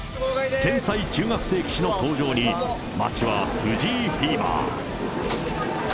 天才中学生棋士の登場に、街は藤井フィーバー。